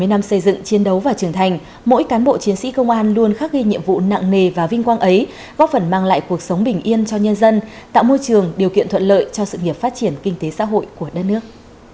bảy mươi năm xây dựng chiến đấu và trưởng thành mỗi cán bộ chiến sĩ công an luôn khắc ghi nhiệm vụ nặng nề và vinh quang ấy góp phần mang lại cuộc sống bình yên cho nhân dân tạo môi trường điều kiện thuận lợi cho sự nghiệp phát triển kinh tế xã hội của đất nước